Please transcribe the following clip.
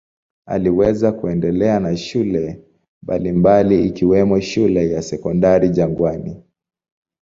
Aliweza kuendelea na shule mbalimbali ikiwemo shule ya Sekondari Jangwani.